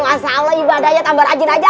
masya allah ibadahnya tambah rajin aja